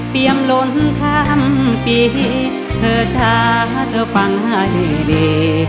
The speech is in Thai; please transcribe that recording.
เปรียมล้นทางปีเธอชะเธอฟังให้ดี